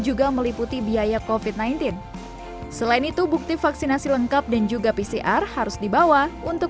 juga meliputi biaya kofit sembilan belas selain itu bukti vaksinasi lengkap dan juga pcr harus dibawa untuk